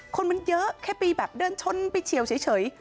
คนมันเยอะแค่ไปแบบเดินชนไปเฉียวเฉย